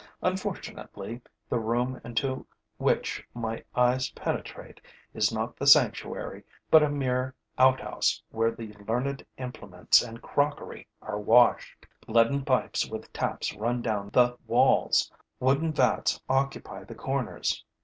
Unfortunately, the room into which my eyes penetrate is not the sanctuary but a mere outhouse where the learned implements and crockery are washed. Leaden pipes with taps run down the walls; wooden vats occupy the corners.